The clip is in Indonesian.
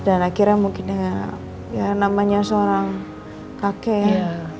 dan akhirnya mungkin dengan namanya seorang kakek